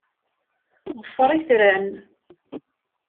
Ḍfer itran.